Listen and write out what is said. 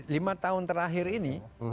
lima tahun terakhir ini